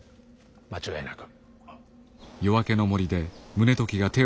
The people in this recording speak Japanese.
間違いなく。